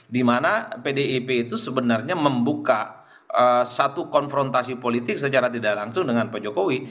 dimana pdip itu sebenarnya membuka satu konfrontasi politik secara tidak langsung dengan pak jokowi